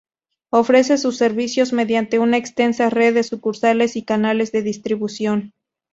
Ofrece sus servicios mediante una extensa red de sucursales y canales de distribución.